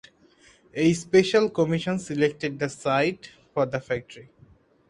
A special commission selected the site for the factory.